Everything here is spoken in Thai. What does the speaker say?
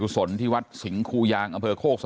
ไปรับศพของเนมมาตั้งบำเพ็ญกุศลที่วัดสิงคูยางอเภอโคกสำโรงนะครับ